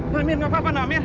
namir gak apa apa namir